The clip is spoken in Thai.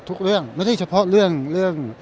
คุยทุกเรื่องไม่ใช่เฉพาะซะนึงเรื่อง